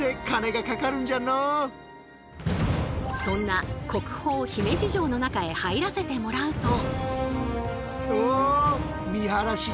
そんな国宝姫路城の中へ入らせてもらうと。